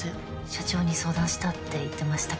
「社長に相談したって言ってましたけど」